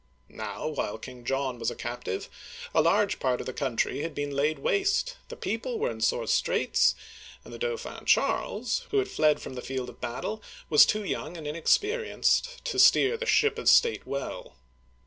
Now, while King John was a captive, a large part of the country had been laid waste, the people were in sore straits, and the Dauphin Charles, who had fled from the field of battle, was too young and inexperienced to steer the ship of state well.